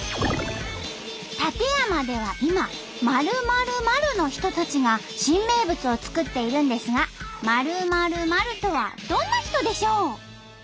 館山では今○○○の人たちが新名物を作っているんですが○○○とはどんな人でしょう？